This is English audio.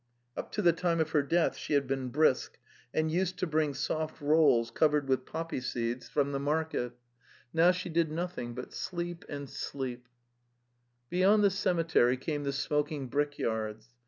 Up to the time of her death she had been brisk, and used to bring soft rolls covered with poppy seeds from 104 The Tales of Chekhov the market. Now she did nothing but sleep and Sleepale ye): Beyond the cemetery came the smoking brick yards.